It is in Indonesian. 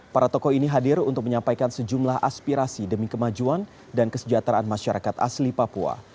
para tokoh ini hadir untuk menyampaikan sejumlah aspirasi demi kemajuan dan kesejahteraan masyarakat asli papua